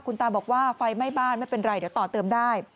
คุณตาบอกว่าไฟไหม้บ้านไม่เป็นไรเดี๋ยวต่อเติมได้